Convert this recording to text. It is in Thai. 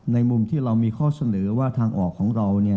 มุมที่เรามีข้อเสนอว่าทางออกของเราเนี่ย